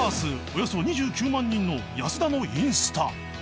およそ２９万人の安田のインスタ］